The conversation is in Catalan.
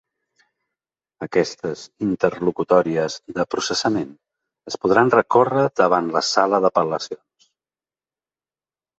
Aquestes interlocutòries de processament es podran recórrer davant la sala d’apel·lacions.